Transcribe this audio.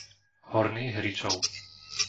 Horný Hričov